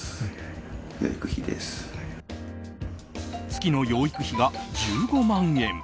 月の養育費が１５万円。